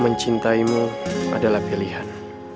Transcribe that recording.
mencintaimu adalah pilihan